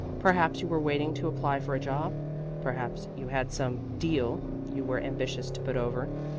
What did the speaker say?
Perhaps you were waiting to apply for a job; perhaps you had some "deal" you were ambitious to put over.